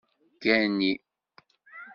Gani.